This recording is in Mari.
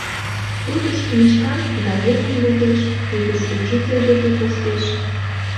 Тутыш книжкам, газетым лудеш, тутыш учитель деке коштеш.